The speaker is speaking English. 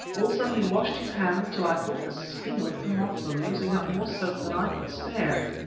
Also he washed his hands till I thought the skin would come off them, using up more soap than I could spare.